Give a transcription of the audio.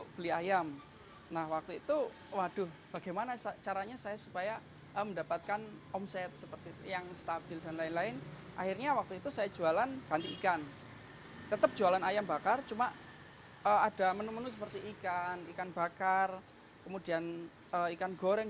bebeknya rasanya lebih menendang empuk terus gurih